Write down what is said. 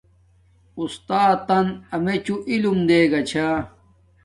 اُستاتن امیچوں علم دے گا چھا